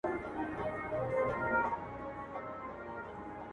قلندر مومند د پاچا خان ښی لاس و